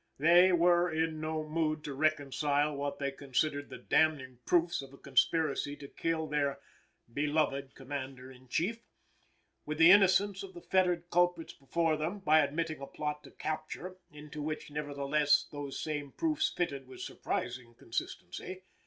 They were in no mood to reconcile what they considered the damning proofs of a conspiracy to kill their "beloved Commander in Chief" with the innocence of the fettered culprits before them, by admitting a plot to capture, into which nevertheless those same proofs fitted with surprising consistency.